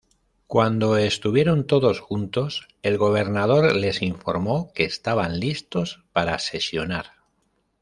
Cuando estuvieron todos juntos el gobernador les informo que estaban listos para sesionar.